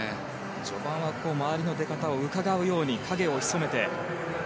序盤は周りの出方をうかがうように影を潜めて。